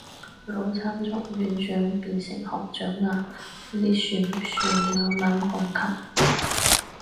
老陳從院長變成學長啊，呢算不算猛猛降級